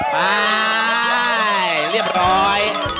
ไปเรียบร้อย